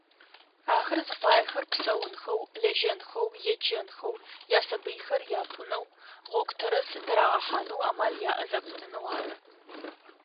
Ахэр зыфаехэр псэунхэу, лэжьэнхэу, еджэнхэу, ясабыйхэр апӏунэу, гъогу тэрэз тырагъэхьанэу амал яӏэ зэпытынэу ары.